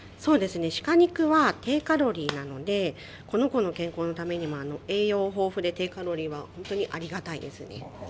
鹿肉は低カロリーなのでこの子の健康のためにも栄養豊富で低カロリーは本当にありがたいですね。